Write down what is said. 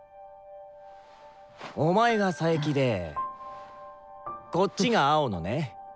お前が佐伯でこっちが青野ね。